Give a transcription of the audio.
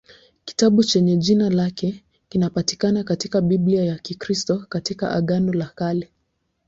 Kitabu chenye jina lake kinapatikana katika Biblia ya Kikristo katika Agano la Kale.